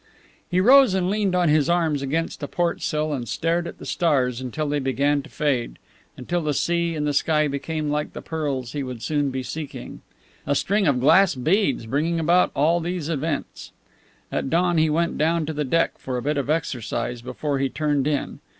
He rose and leaned on his arms against a port sill and stared at the stars until they began to fade, until the sea and the sky became like the pearls he would soon be seeking. A string of glass beads, bringing about all these events! At dawn he went down to the deck for a bit of exercise before he turned in.